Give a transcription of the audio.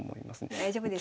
大丈夫です。